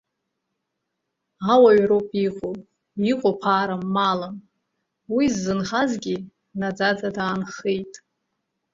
Ауаҩроуп иҟоу, иҟоу ԥарам, малым, уи ззынхазгьы наӡаӡа даанхаӡеит.